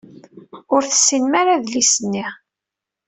Ur tessinem ara adlis-nni.